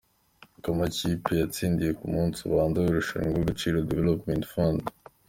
Uko amakipe yatsindanye ku munsi ubanza w’irushanwa ry’Agaciro Development Fund.